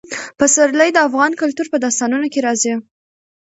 پسرلی د افغان کلتور په داستانونو کې راځي.